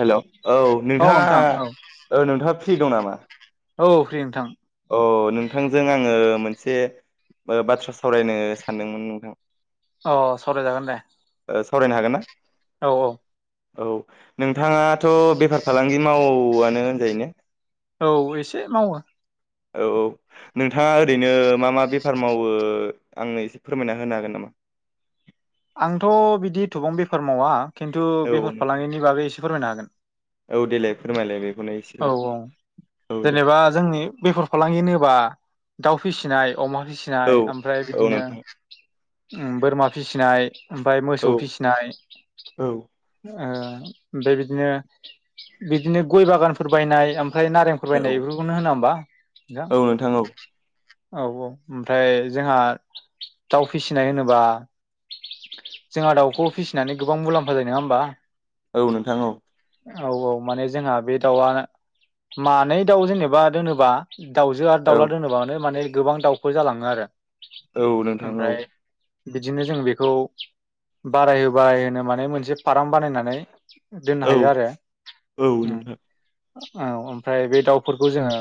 Hello औ नोंथां नोंथाङा औ औ नोंथाङा फ्रि दं नामा औ फ्रि नोंथां अ नोंथांजों आङो मोनसे बाथ्रा सावरायनो सानदोंमोन नोंथां अ सावरायजागोन दे ओ सावरायनो हागोन ना? औ औ औ नोंथाङाथ बेफार फालांगि मावोनो होनजायो ने? औ एसे मावो औ औ नोंथाङा ओरैनो मा मा बेफार मावो आंनो एसे फोरमायना होनो हागोन नामा [inaudible] आंथ बिदि थबां बेफार मावा खिन्थु औ बेफार नोंथां फालांगिनि बागै एसे फोरमायनो हागोन औ देलाय फोरमायलाय बेखौनो एसे औ औ जेनेबा जोंनि बेफर फालांगि होनोबा दाउ फिसिनाय अमा फिसिनाय औ ओमफ्राय औ बिदिनो नोंथां ओम बोरमा फिसिनाय ओमफ्राय औ मोसौ फिसिनाय औ ओ ओमफ्राय बिदिनो बिदिनो गय बागानफोर बायनाय ओम ओमफाय नारेंफोर औ बायनाय बेफोरखौनो होना होमबा औ नोंथां औ औ औ ओमफ्राय जोंहा दाउ फिसिनाय होनोबा जोंहा दाउखौ फिसिनानै गोबां मुलाम्फा जायो नङा होमबा? औ नोंथां औ औ औ माने जोंहा बे दाउआ मानै दाउ जेनेबा दोनोबा दाउजो आरो औ दाउला दोनोबानो माने गोबां दाउफोर जालाङो आरो औ नोंथां औ ओमफ्राय बिदिनो जों बेखौ बारायहो बारायहोनो माने मोनसे फार्म बानायनानै दोननो औ हायो आरो औ नोंथां औ ओमफ्राय बे दाउफोरखौ जोङो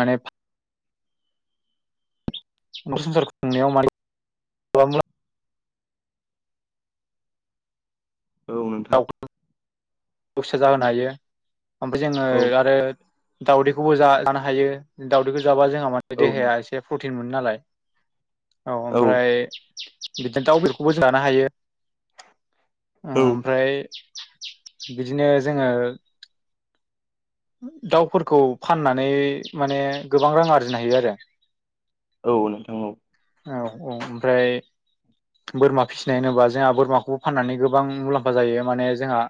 माने नखर संसार खुंनायाव माने गोबां मुलाम्फा औ नोंथां दाव फिसा जाहोनो हायो ओमफ्राय औ जोङो आरो दाउदैखौबो जा-जानो हायो दाउदैखौ जाबा जोंहा माने औ देहाया नोंथां एसे प्रटिन मोनो नालाय औ ओमफ्राय बिदिनो दाउ बेदरखौबो जों जानो हायो ओ औ ओमफ्राय बिदिनो जोङो दाउफोरखौ फाननानै माने गोबां रां आरजिनो हायो आरो औ नोंथां औ औ औ ओमफ्राय बोरमा फिसिनाय होनोबा जोंहा बोरमाखौबो फाननानै गोबां मुलाम्फा जायो माने जोंहा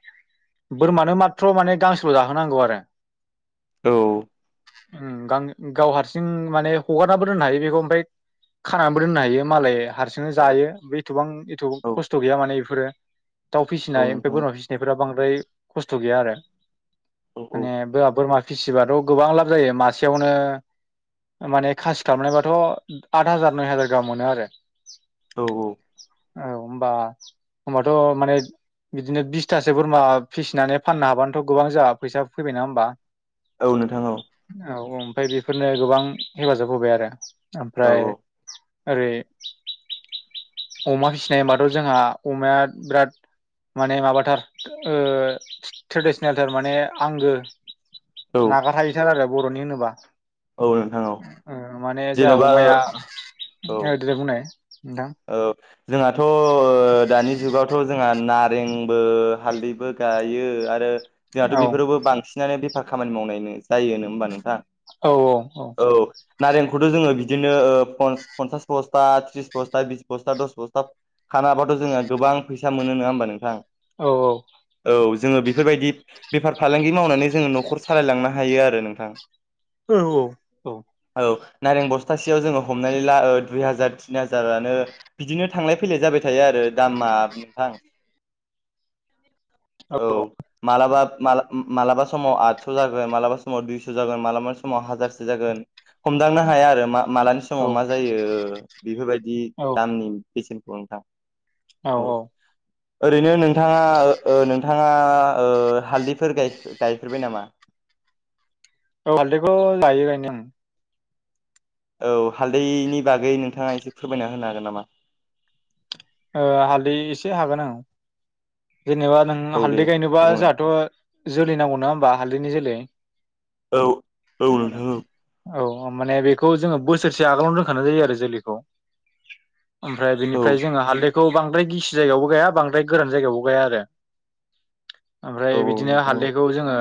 बोरमानो माथत्र माने गांसेल जाहोनांगौ आरो औ उ गां-गाव हारसिं माने हगारनाबो दोननो हायो बेखौ ओमफ्राय खानानैबो दोननो हायो मालाय हारसिंनो औ जायो एथबां एथ औ खस्थ गैया माने बेफोरो दाउ औ फिसिनाय ओमफ्राय नोंथां बोरमा फिसिनायफोरा बांद्राय खस्थ गैया आरो औ माने बोआ बोरमा फिसिबाथ गोबां लाब जायो मासेयावनो माने खासि खालामनायबाथ आत हाजार नय हाजार गाहाम मोनो आरो औ औ औ होमबा होनबाथ माने बिदिनो बिसथासो बोरमा फिसिनानै फाननो हाबानोथ गोबां जाहा फैसा फैबाय नङा होमबा? औ नोंथां औ औ ओमफ्राय बेफोरनो गोबां हेफाजाब होबाय आरो औ ओमफ्राय ओरै अमा फिसिनाय होनबाथ जोंहा अमाया बिराद माने माबाथार ओ ट्रेडिसनेलथार माने आंगो औ नागार हायिथार आरो बरनि होनोबा औ नोंथां औ ओ माने जोंहा जेन'बा औ अमाया औ देनाय बुंनाय नोंथां औ जोंहाथ ओ दानि जुगाव थ जोंहा नारेंबो हालदैबो गायो आरो जोंहाथ औ बेफोरावबो बांसिनानो बेफार खामानि मावनाय जायो नङा होमबा नोंथां? औ औ औ नारेंखौथ जोङो ओ बिदिनो फन पनसास बस्था थ्रिस बस्था बिस बस्था दस बस्था खानो हाबाथ जोङो गोबां फैसा मोनो नङा होमबा नोंथां? औ औ औ जोङो बेफोरबायदि बेफार फालांगि मावनानै जोङो नखर सालायलांनो हायो आरो नोंथां औ औ औ ओ नारें बसथासे जों हमनानै ला ओ दुइ हाजार थिन हा हाजारनो बिदिनो थांलाय फैलाय जाबाय थायो आरो दामा नोंथां औ मालाबा, माला मालाबा समाव आदस' जागोन मालाबा समाव दुइस' जागोन मालाबा समाव हाजारसो जागोन, हमदांनो हाया आरो मा मालानि समाव औ औ मा जायो बेफोरबायदि औ दामनि, बेसेनखौ नोंथां, औ औ ओरैनो नोंथाङा ओ नोंथाङा ओ हालदैफोर गाय गायफेरबाय नामा? [unintelligible] हालदैखौ गायो गानो ओं औ हालदैनि बागै नोंथाङा एसे फोरमायना होनो हागोन नामा? ओ हालदै एसे हागोन ओं, जेनेबा नों औ दे हालदै गायनोबा बुंलाय जाहाथ' जोलै नांगौ नङा होमबा हालदैनि जोलै, औ औ नोंथां औ औ माने बेखौ जोङो बोसोरसे आगोलावनो दोनखानाय जायो आरो जोलैखौ, ओमफ्राय औ बिनिफ्राय जोङो हालदै बांद्राय गिसि जायगायावबो गाया बांद्राय गोरान जायगायावबो गाया आरो औ ओमफ्राय बिदिनो हालदैखौ जोङो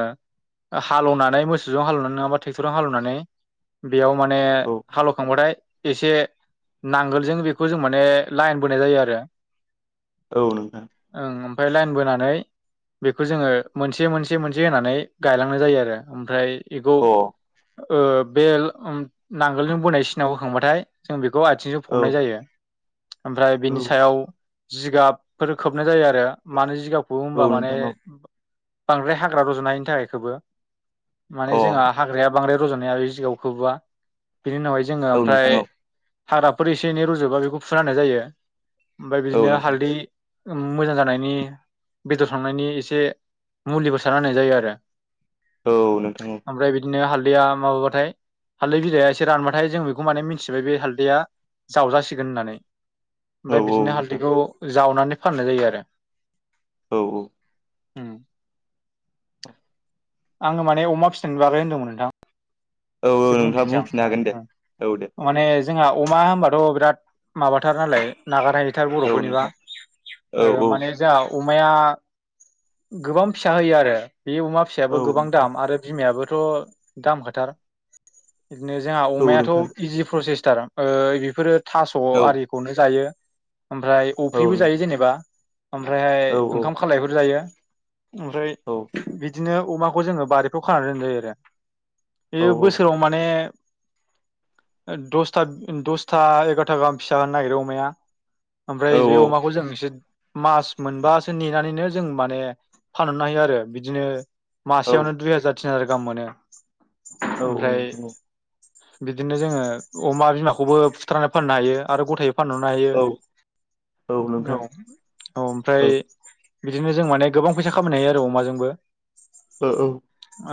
ओ हालोवनानै मोसौजों हालोवनानै नङाबा ट्रेक्टराव हालेवनानै बेयाव माने हालोवखांबाथाय एसे नांगोलजों बेखौ जों माने लाइन बोनाय जायो आरो औ नोंथां ओमफाय लाइन बोनानै बेखौ जोङो मोनसे मोनसे मोनसे होनानै गायलांनाय जायो आरो ओमफ्राय एखौ औ ओ बे उम नांगोलजों बोनाय सिनाखौ होांबाथाय जों बिखौ आइथिंजों फबनाय औ जायो। ओमफ्राय बेनि औ सायाव जिगाबफोर खोबनाय जायो आरो मानो जिगाब, खोबो होमबा माने नोंथां अ बांद्राय हाग्रा रज'नायनि थाखाय खोबो औ माने जोंहा हाग्राया बांद्राय रज'नो हाया बे जिगाबखो खोबोबा बिनि उनावहाय जोङो औ ओमफ्राय, नोंथां औ हाग्राफोर एसे एनै रुजोबा बेखौ फुुना होनाय जायो ओमफाय अ औ नोंथां औ बिदिनो नोंथां हालदै, मोजां जानायनि बेदर थांनायनि एसे मुलिबो सारना होननाय जायो आरो औ नोंथां औ ओमफ्राय बिदिनो हाल्दैया माबाबाथाय हालदै बिलाइया एसे रानबाथाय जों बेखौ माने मिन्थिबाय बे हाल्दैया जावजासिगोन होननानै औ ओमफाय औ बिदिनो नोंथां हालदैखौ जावनानै फाननाय जायो आरो औ औ उम आङो माने अमा फिसिनायनि बागै होनदों नोंथां औ औ एसे नोंथाङा बुंफिनसै आं बुंफिननो हागोन दे ओं ओं औ दे माने जोंहा अमा होमबाथ' बिराद माबाथार नालाय नागारनो हायि थार औ बर'फोरनिबा नोंथां औ आरो औ माने जोंहा, अमाया गोबां फिसा होयो आरो बे अमा औ फिसायाबो गोबां नोंथां दाम आरो बिमायाबो, थ' दाम खाथार, बिदिनो जोंहा औ अमायाथ' नोंथां इजि प्रसेसथार ओ बेफोरो थास' औ आरिखौनो जायो ओमफ्राय औ अफ्रिबो जायो नोंथां जेनेबा ओमफ्रायहाय औ औ ओंखाम खालायफोर जायो। ओमफ्राय औ [unintelligible] बिदिनो अमाखौ जोङो बारिफ्राव खाना दोनजायो आरो बेयो बोस बे ओ दसथा दसथा एगार'था गाहाम फिसा होनो नागिरो अमाया ओमफ्राय औ बे नोंथां अमाखौ जों एसे, मास मोनबासो नेनानैनो जों माने फानहरनो हायो आरो बिदिनो मासेयावनो दुइ हाजार तिन हाजार गाहाम मोनो, औ ओमफ्राय औ औ बिदिनो जोङो अमा बिमाखौबो फुथारनानै फाननो हायो आरो गथायै फानहरनो हायो औ औ नोंथां औ औ ओमफ्राय बिदिनो जों माने गोबां फैसा खामायनो हायो आरो अमाजोंबो, ओ औ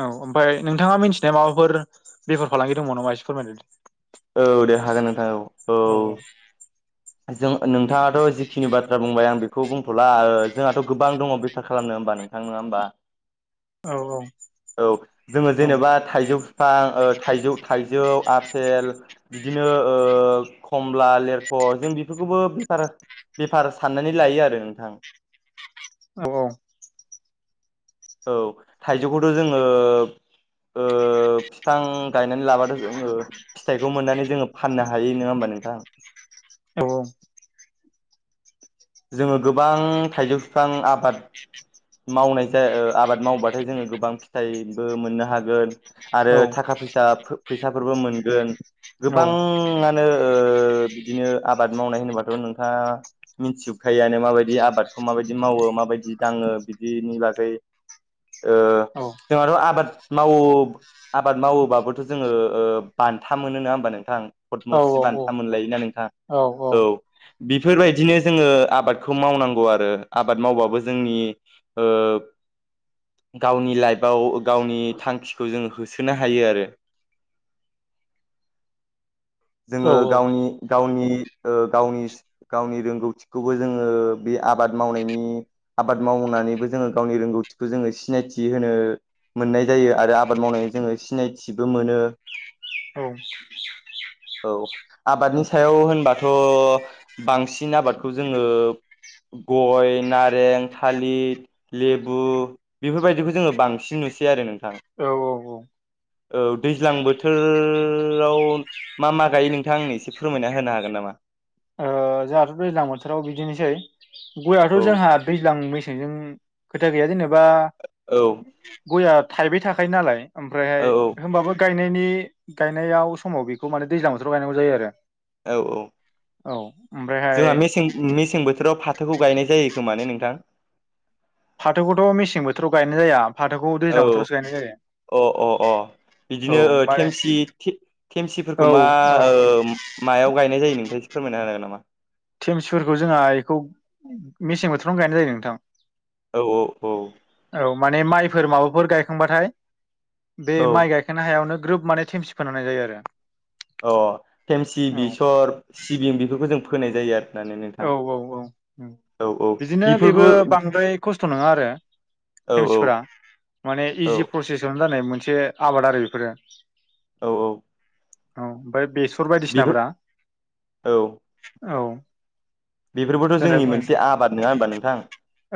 औ ओमफ्राय नोंथाङा मिथिनाया माबाफोर बेफार फालांगि दंब नामा एसे फोरमाय होद औ दे हागोन नोंथां औ औ जों नोंथाङाथ जिखिनि बाथ्रा बुंबाय आं बेखौ बुंथला ओओ जोंहाथ गोबां दङ बेफार खालामनो होमबा नोंथां नङा होमबा औ औ जोङो औ जेनेबा थाइजौ बिफां ओ थाइजौ थाइजौ आफेल बिदिनो ओ खमला लेरखस जों बेफोरखौबो बे बेफार साननानै लायो आरो नोंथां औ औ थाइजौखौथ जोङो ओ फिफां गायनानै लाबाथ जोङो फिथाइखौ मोननानै जोङो फाननो हायो नोङा होमबा नोंथां औ जोङो गोबां थाइजौ बिफां आबाद मावनाय जाया आबाद मावबाथाय जोङो गोबां फिथाइबो मोननो हागोन आरो थाखा फैसा फै फैसाफोरबो मोनगोन गोबाङानो ओ बिदिनो आबाद मावनाय होनोबाथ नोंथाङा मिथिजोबखायोआानो माबायदि आबादखौ माबायदि मावो माबायदि जि दाङो बिदिनि बागै जोंहाथ आबाद मावो आबाद मावोबाबोथ जोङो बान्था मोनो नङा होमबा नोंथां औ पदमरसि बान्था मोनलाय ना नोंथां औ बेफोरबायदिनो जोङो आबादखौ मावनांगौ आरो आबाद मावबाबो जोंनि ओ गावनि लाइफआव गावनि थांखिखौ जोङो हो सोनो हायो आरो जोङो गावनि गावनि ओ गावनि गावनि रोंगौथिखौबो जोङो बे आबाद मावनायनि आबाद आ मावनानैबो जोङो गावनि रोंगौथिखौ जोङो सिनायथि होनो मोननाय जायो आरो आबाद मावनानै जोङो सिनायथिबो मोनो औ औ आबादनि सायाव होनबाथ बांसिन आबादखौ जोङो गय नारें था थालिर लेबु बेफोरबायदिखौ जोङो बांसिन नुसै आरो नों औ औ औ औ दैज्लां बोथोराव मा मा गायो नोंथां आंनो एसे फोरमायना होनो हागोन नामा ओ जोंहाथ दैज्लां बोथोराव बिदिनोसै गयथ औ जोंहा दैज्लां मेस सें जों खोथा गैया जेनेबा औ गया थाइबाय थाखायो नालाय औ ओमफ्रायहाय होमबाबो गायनायनि गायनायाव समाव बेखौ माने दैज्लां बोथोराव गायनांगौ जायो आरो औ औ औ ओमफ्रायहाय जोंहा मेसें मेसें बोथोराव फाथोखौ गायनाय जायो खोमाने नोंथां फाथोखौथ मेसें बोथोराव गायनाय जाया फाथोखौ औ दैज्लां बोथावसो गायनाय जायो अ अ अ औ बिदिनोे ओ माने थेमसि थे औ थेमसिफोरखौ मा औ ओ मायाव गायनाय जायो नोंथां ए फोरमायना होन हागोन नामा थेमसिफोरखौ जोंहा बेखौ मेसें बोथोरावनो गायनाय जायो नोंथां औ औ औ औ माने माइफोर माबाफोर गायखांबाथाय बे माइ औ गायखांनो हायावनो ग्रोब माने थेमसि फोनानाय जायो आरो अ थेमसि बेसर सिबिं बेफोरखौ जों फोनाय जायो आरो औ औ औ औ बिदिनो बेफोरबो बेबो बांद्राय खस्थ' नङा आरो औ थेमसिफोरा माने औ इजि प्रसेसावनो जानाय मोनसे आबाद आरो बेफोरो औ औ औ ओमफ्राय बेसर बेफोर बायदिसिनाफ्रा औ [inaudible] औ। बेफोरबोथ' जोंनि जेनेबा मोनसे आबाद नङा होनबा नोंथां।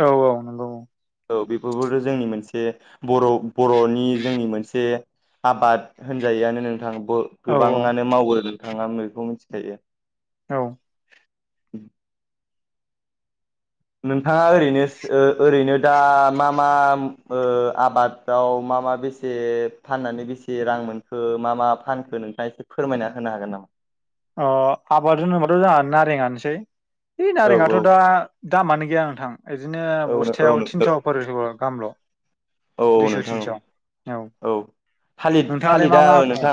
औ औ नंगौ [inaudible] औ बेख बेफोरबो जोंनि मोनसे बर'-बर'नि जोंनि मोनसे आबाद होनजायोआनो नोंथां औ गोबाङानो मावो नोंथाङा बेखौ मिथिखायो। औ। [inaudible] नोंथाङा ओरैनो ओ ओरैनो दा मा मा ओ आबादाव मा मा मा बेसे फाननानै बेसे रां मोनखो मा मा फानखो नोंथाङा एसे फोरमायना होनो हागोन नामा? अ आबाद होनोबाथ' जोंहा नारेंआनोसै। बे औ नारेङाथ' दा दामानो गैया नोंथां बिदिनो औ औ बस्थायाव थिनस' फारस' गाहामल'। औ दुइस' नोंथां औ थिन्स'। औ थालिद थालिरदा मा दङ नोंथां?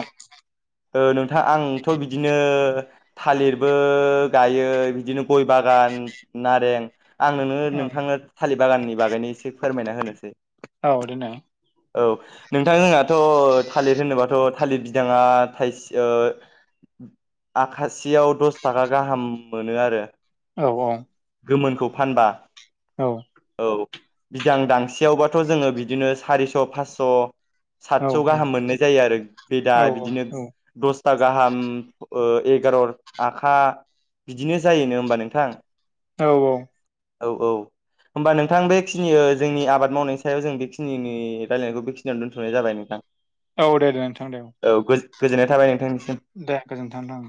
ओ नोंथां आंथ' बिदिनो थालिरबो गायो बिदिनो गय बागान, नारें आं नोंनो नोंथांनो थालिर बागाननि बागैनो एसे फोरमायना होनोसै। औ देनाय। औ नोंथां जोनाथ' थालिर होनोबाथ' थालिर बिदाङा थाइसे ओ आखासेयाव दस थाखा गाहाम मोनो आरो। औ औ गोमोनखौ फानबा औ औ। बिदां दांसेयावबाथ' जोङो बिदिनो सारिस' फासस' औ सातस' गाहाम मोननाय जायो आरो। बे दा औ बिदिनो दस था गाहाम एगार' आखा बिदिनो जायोनो होमबा नोंथां। औ औ। औ औ। होमबा नोंथां बेखिनि ओ जोंनि आबाद मावनायनि सायाव जों बेखिनि रायलायनायखौ बेखिनियाव दोन्थ'नाय जाबाय नोंथां। औ दे दे नोंथां दे औ। गोजोननाय थाबाय नोंथांनिसि दे गोजोनथों।